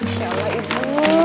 insya allah ibu